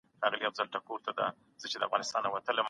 هغې خپل مېړه ته حالت تشریح کړ.